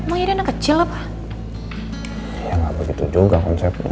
oh iya dia anak kecil lah pak